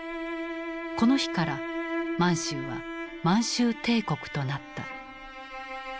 この日から満州は満州帝国となった。